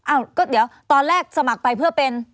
อ้าวก็เดี๋ยวตอนแรกสมัครไปเพื่อเป็น